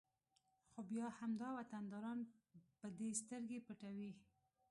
خو بیا همدا وطنداران په دې سترګې پټوي